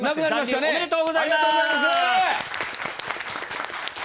おめでとうございます。